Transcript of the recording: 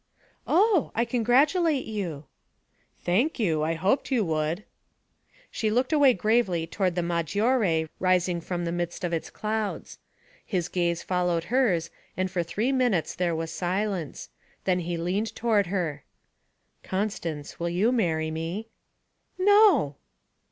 'Oh! I congratulate you.' 'Thank you I hoped you would.' She looked away gravely toward the Maggiore rising from the midst of its clouds. His gaze followed hers, and for three minutes there was silence. Then he leaned toward her. 'Constance, will you marry me?' 'No!'